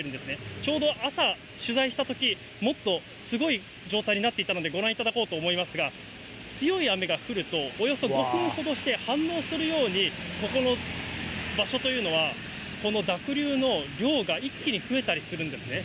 ちょうど朝、取材したとき、もっとすごい状態になっていたのでご覧いただこうと思いますが、強い雨が降るとおよそ５分ほどして反応するように、ここの場所というのは、この濁流の量が一気に増えたりするんですね。